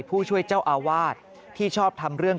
ผู้ช่วยเจ้าอาวาสที่ชอบทำเรื่อง